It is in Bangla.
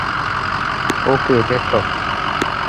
ওকে, দেখো।